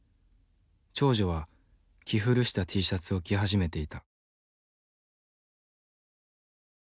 長女は着古したＴシャツを着始めていた。